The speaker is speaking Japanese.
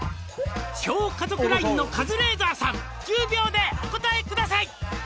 「小家族ラインのカズレーザーさん」「１０秒でお答えください」